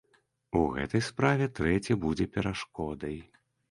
У гэтай справе трэці будзе перашкодай.